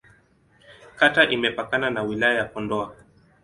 Kata imepakana na Wilaya ya Kondoa.